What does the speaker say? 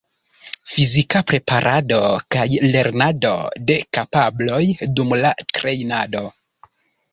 Fizika preparado kaj lernado de kapabloj dum la trejnado.